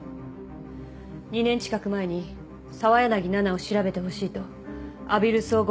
２年近く前に澤柳菜々を調べてほしいと阿比留綜合